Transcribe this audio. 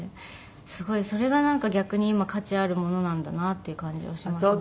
すごいそれがなんか逆に今価値あるものなんだなっていう感じはしますね。